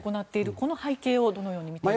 この背景をどのように見ていますか。